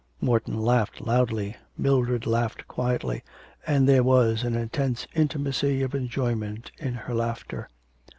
"' Morton laughed loudly, Mildred laughed quietly, and there was an intense intimacy of enjoyment in her laughter.